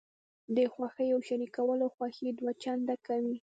د خوښیو شریکول خوښي دوه چنده کوي.